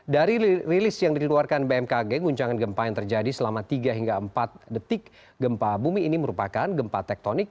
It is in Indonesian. dari rilis yang dikeluarkan bmkg guncangan gempa yang terjadi selama tiga hingga empat detik gempa bumi ini merupakan gempa tektonik